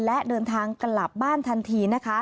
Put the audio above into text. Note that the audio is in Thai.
และเดินทางกลับบ้านทันทีนะคะ